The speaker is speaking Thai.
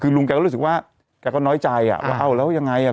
คือลุงแกก็รู้สึกว่าแกก็น้อยใจอ่ะว่าเอาแล้วยังไงอ่ะ